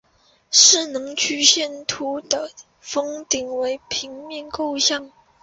势能曲线图的峰顶为平面构象。